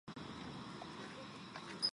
林仙东是一名韩国男子棒球运动员。